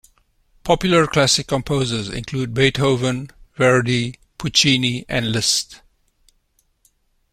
Popular classical composers include Beethoven, Verdi, Puccini and Liszt.